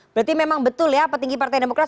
berarti memang betul ya petinggi partai demokrat